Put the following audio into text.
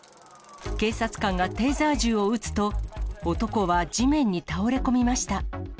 警察官がテーザー銃を撃つと、男は地面に倒れ込みました。